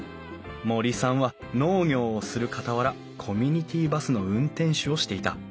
森さんは農業をするかたわらコミュニティーバスの運転手をしていた。